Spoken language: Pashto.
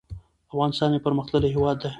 افغانستان يو پرمختللی هيواد ده